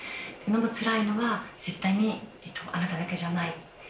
つらいのは絶対にあなただけじゃない。